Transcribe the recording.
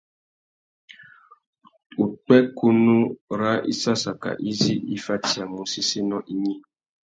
Upwêkunú râ issassaka izí i fatiyamú séssénô ignï.